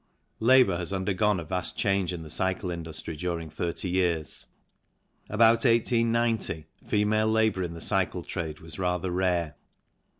Labour has undergone a vast change in the cycle industry during thirty years. About 1890 female labour in the cycle trade was rather rare.